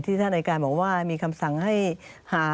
ท่านอายการบอกว่ามีคำสั่งให้หา